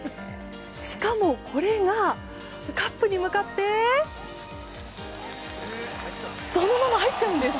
しかも、これがカップに向かってそのまま入っちゃうんです！